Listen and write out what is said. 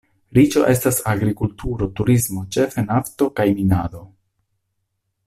Riĉo estas agrikulturo, turismo, ĉefe nafto kaj minado.